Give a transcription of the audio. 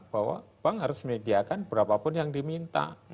bahwa bank harus menyediakan berapa pun yang diminta